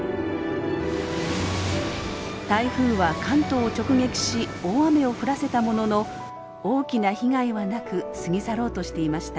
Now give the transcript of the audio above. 台風は関東を直撃し大雨を降らせたものの大きな被害はなく過ぎ去ろうとしていました。